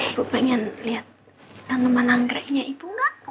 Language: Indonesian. ibu pengen lihat tanaman anggreknya ibu nggak